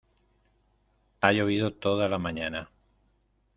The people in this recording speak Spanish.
Ha llovido toda la mañana.